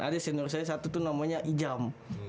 ada senior saya satu tuh namanya ijam